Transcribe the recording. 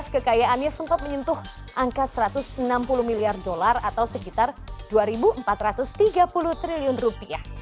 kekayaannya sempat menyentuh angka satu ratus enam puluh miliar dolar atau sekitar dua empat ratus tiga puluh triliun rupiah